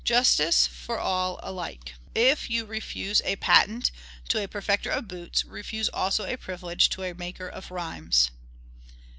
Justice for all alike. If you refuse a patent to a perfecter of boots, refuse also a privilege to a maker of rhymes.